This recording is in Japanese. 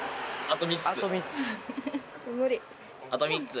あと１つ。